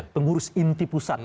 pengurus inti pusat